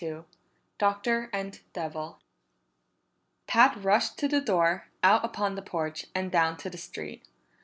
22 Doctor and Devil Pat rushed to the door, out upon the porch, and down to the street.